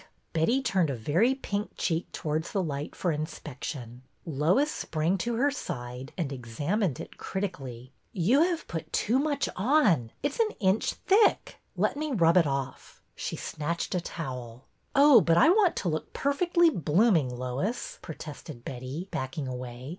Betty turned a very pink cheek towards the light for inspection. Lois sprang to her side and examined it critically. '' You have put too much on. It 's an inch thick. Let me rub it off." She snatched a towel. Oh, but I want to look perfectly blooming, Lois," protested Betty, backing away.